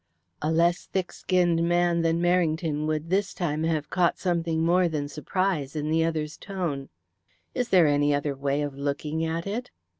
A less thick skinned man than Merrington would this time have caught something more than surprise in the other's tone. "Is there any other way of looking at it?"